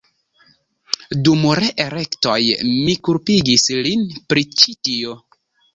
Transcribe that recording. Dum reelektoj mi kulpigis lin pri ĉi tio.